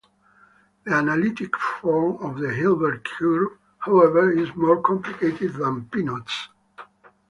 The analytic form of the Hilbert curve, however, is more complicated than Peano's.